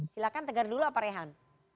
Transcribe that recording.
silahkan tegar dulu pak rehan